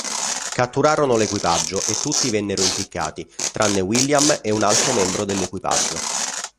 Catturarono l'equipaggio e tutti vennero impiccati, tranne William e un altro membro dell'equipaggio.